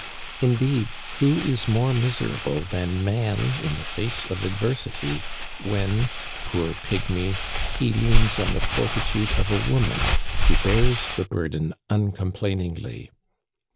Indeed, who is more miserable than man in the face of adversity, when, poor pygmy^ he leans on the fortitude of a woman, who bears the burden uncomplainingly.